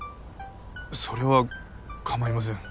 それは構いません。